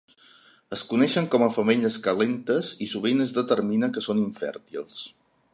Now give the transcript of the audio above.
Es coneixen com a "femelles calentes" i sovint es determina que són infèrtils.